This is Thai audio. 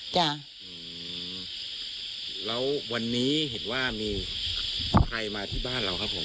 จ้ะอืมแล้ววันนี้เห็นว่ามีใครมาที่บ้านเราครับผม